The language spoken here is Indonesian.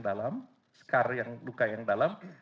dalam scar luka yang dalam